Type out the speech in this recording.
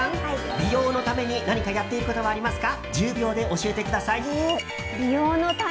美容のために何かやっていることはありますか？